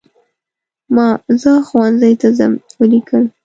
ما "زه ښوونځي ته ځم" ولیکل.